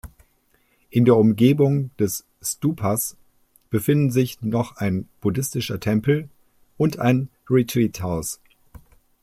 In der Umgebung des Stupas befinden sich noch ein buddhistischer Tempel und ein Retreat-Haus.